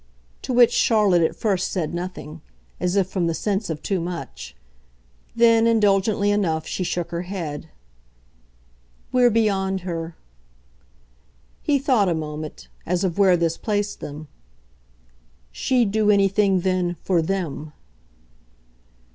To which Charlotte at first said nothing as if from the sense of too much. Then, indulgently enough, she shook her head. "We're beyond her." He thought a moment as of where this placed them. "She'd do anything then for THEM."